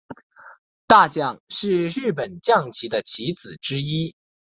大将是日本将棋的棋子之一。